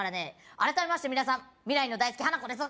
改めまして皆さん未来の大助・花子です